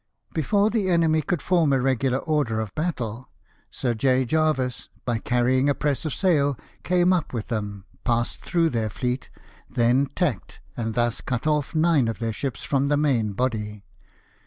Before the enemy could form a regular order of battle, Sir J. Jervis, by carrying a press of sail, came up with them, passed through their fleet, then tacked, and thus cut off nine of their ships from the main body.